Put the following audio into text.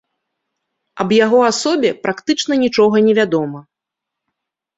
Аб яго асобе практычна нічога не вядома.